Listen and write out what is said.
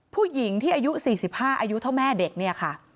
ผู้หญิงที่อายุ๔๕อายุเท่าแม่เด็กเนี่ยค่ะ